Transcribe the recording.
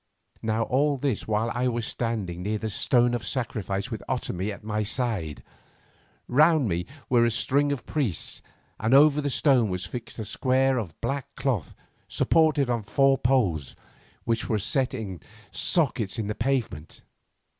Now all this while I was standing near the stone of sacrifice with Otomie at my side. Round me were a ring of priests, and over the stone was fixed a square of black cloth supported upon four poles, which were set in sockets in the pavement.